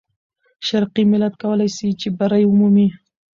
شرقي ملت کولای سي چې بری ومومي.